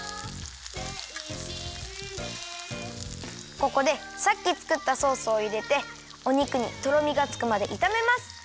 ここでさっきつくったソースをいれてお肉にとろみがつくまでいためます。